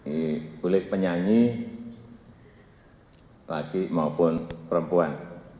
ini boleh penyanyi lagi maupun perempuan